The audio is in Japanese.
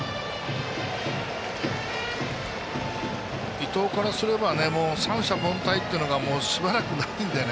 伊藤からすればね三者凡退っていうのがしばらくないのでね。